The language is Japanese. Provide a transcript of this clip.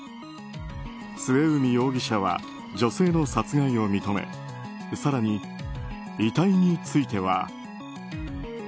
末海容疑者は女性の殺害を認め更に遺体については。